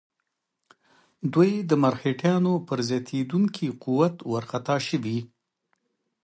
دوی د مرهټیانو پر زیاتېدونکي قوت وارخطا شوي.